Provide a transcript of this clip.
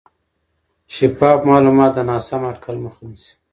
شفاف معلومات د ناسم اټکل مخه نیسي.